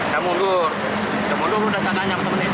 dia mundur dia mundur udah saya tanya